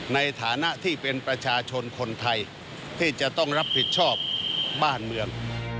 ในฐานะที่เป็นประชาชนคนไทยที่จะต้องรับผิดชอบบ้านเมือง